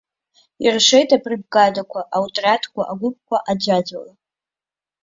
Иршеит абригадақәа, аотриадқәа, агәыԥқәа, аӡәаӡәала.